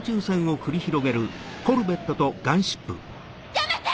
やめて！